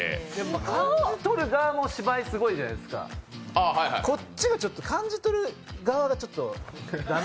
感じ取る側も芝居すごいじゃないですか、こっちが感じ取る側がちょっと駄目。